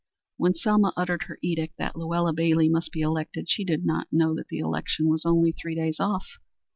When Selma uttered her edict that Luella Bailey must be elected she did not know that the election was only three days off.